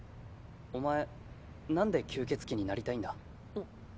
お前何で吸血鬼になりたいんだ？